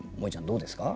どうですか？